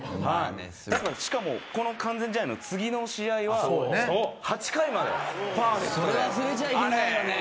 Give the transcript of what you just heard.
「だからしかもこの完全試合の次の試合は８回までパーフェクトで」